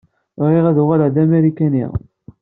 Bɣiɣ ad uɣaleɣ d Amarikani.